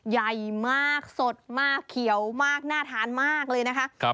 ใหญ่มากสดมากเขียวมากน่าทานมากเลยนะคะ